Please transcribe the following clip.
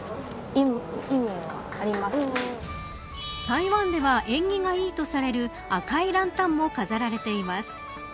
台湾では縁起がいいとされる赤いランタンも飾られています。